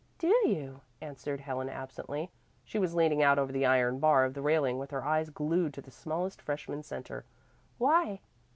"Do you?" answered Helen absently. She was leaning out over the iron bar of the railing with her eyes glued to the smallest freshman centre. "Why?"